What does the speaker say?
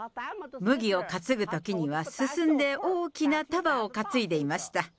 麦を担ぐときには進んで大きな束を担いでいました。